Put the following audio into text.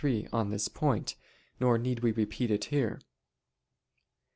3) on this point, nor need we repeat it here.